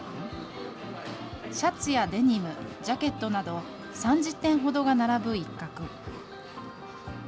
シャツやデニム、ジャケットなど、３０点ほどが並ぶ一角。